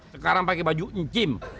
sekarang pake baju ncim